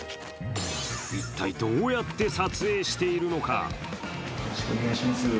一体どうやって撮影しているのか？